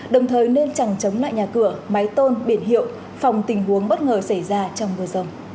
đồng thời nên chẳng chống lại nhà cửa máy tôn biển hiệu phòng tình huống bất ngờ xảy ra trong mưa rồng